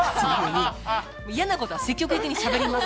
嫌なことは積極的にしゃべります。